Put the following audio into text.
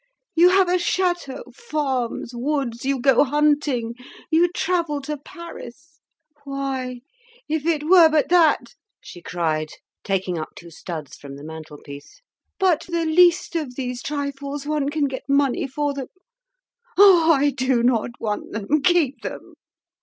You have a château, farms, woods; you go hunting; you travel to Paris. Why, if it were but that," she cried, taking up two studs from the mantelpiece, "but the least of these trifles, one can get money for them. Oh, I do not want them, keep them!"